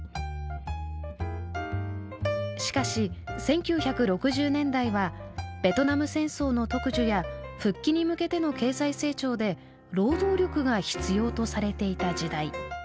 しかし１９６０年代はベトナム戦争の特需や復帰に向けての経済成長で労働力が必要とされていた時代。